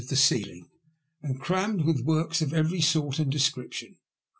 of the ceiling, and crammed with works of every sort and description.